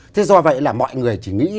thế do vậy là mọi người chỉ nghĩ đến đấy là